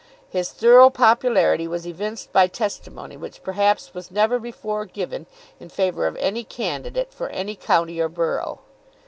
His thorough popularity was evinced by testimony which perhaps was never before given in favour of any candidate for any county or borough.